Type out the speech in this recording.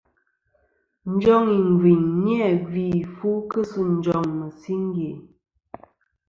Njoŋ ìngviyn ni-a gvi fu kɨ sɨ njoŋ mɨ̀singe.